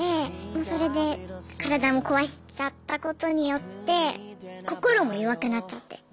それで体も壊しちゃったことによって心も弱くなっちゃって。